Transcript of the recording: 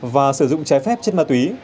và sử dụng trái phép chất ma túy